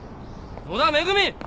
野田恵！